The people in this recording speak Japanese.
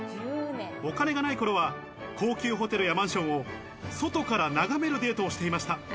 お金がない頃は高級ホテルやマンションを外から眺めるデートをしていました。